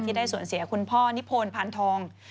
ที่ได้สวนเสียคุณพ่อนิพพลพานทอง